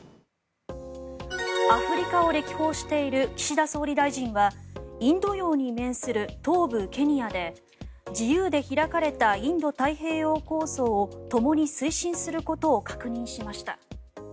アフリカを歴訪している岸田総理大臣はインド洋に面する東部ケニアで自由で開かれたインド太平洋構想をともに推進することを確認しました。